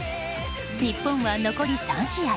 日本は残り３試合。